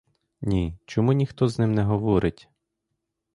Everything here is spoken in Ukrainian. Ні, чому ніхто з ним не говорить?